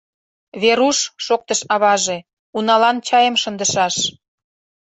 — Веруш, — шоктыш аваже, — уналан чайым шындышаш.